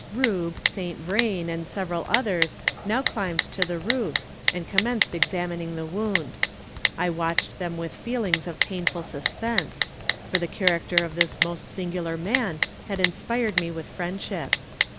Rube, Saint Vrain, and several others now climbed to the roof, and commenced examining the wound. I watched them with feelings of painful suspense, for the character of this most singular man had inspired me with friendship.